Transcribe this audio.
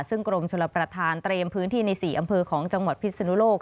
ซึ่งกรมชลประธานเตรียมพื้นที่ใน๔อำเภอของจังหวัดพิศนุโลก